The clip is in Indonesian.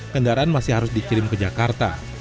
kendaraan masih harus dikirim ke jakarta